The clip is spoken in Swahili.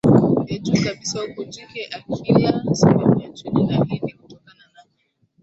ya juu kabisa huku jike akila sehemu ya chini na hii ni kutokana na